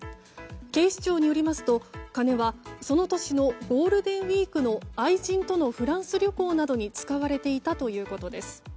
警視庁によりますと金は、その年のゴールデンウィークの愛人とのフランス旅行などに使われていたということです。